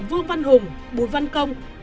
vương văn hùng bùi văn công